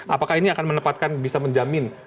apakah ini akan menepatkan bisa menjamin